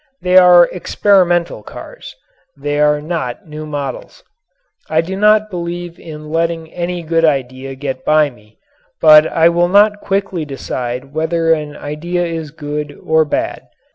They are experimental cars they are not new models. I do not believe in letting any good idea get by me, but I will not quickly decide whether an idea is good or bad.